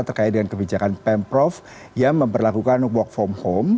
terkait dengan kebijakan pemprov yang memperlakukan work from home